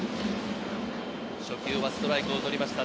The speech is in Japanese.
初球はストライクを取りました。